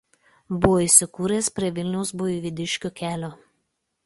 Buvo įsikūręs prie Vilniaus–Buivydiškių kelio.